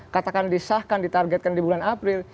katakan disahkan ditargetkan di bulan april